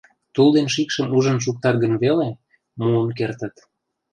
Тул ден шикшым ужын шуктат гын веле, муын кертыт.